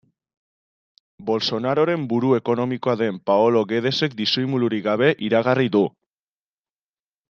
Bolsonaroren buru ekonomikoa den Paolo Guedesek disimulurik gabe iragarri du.